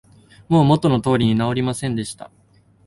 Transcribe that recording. もう元の通りに直りませんでした